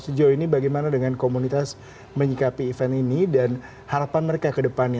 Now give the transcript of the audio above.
sejauh ini bagaimana dengan komunitas menyikapi event ini dan harapan mereka ke depannya